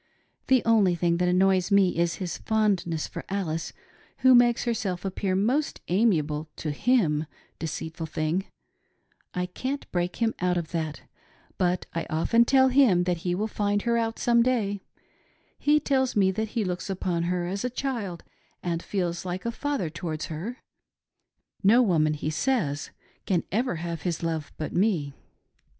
The only thing that annoys me is his fondness for Alice who makes herself appear most amiable to him, deceitful thing ! I can't break him of that, but I otten tell him that he will find her out some day. He tells me that he looks upon her as a child and feels like a father towards her ; no woman, he says, can ever have his love but me.